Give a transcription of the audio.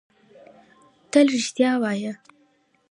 تل رېښتيا وايه